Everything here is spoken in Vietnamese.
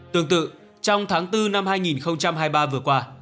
tương tự trong tháng bốn năm hai nghìn hai mươi ba vừa qua